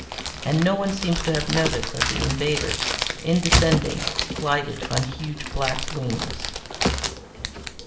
And no one seems to have noticed that the invaders, in descending, glided on huge black wings."